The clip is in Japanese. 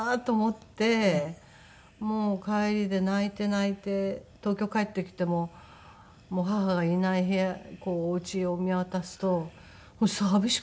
もう帰りで泣いて泣いて東京帰ってきても母がいない部屋お家を見渡すと寂しくてしょうがなくて。